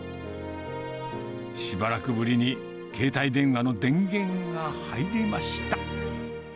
しばらくぶりに携帯電話の電源が入りました。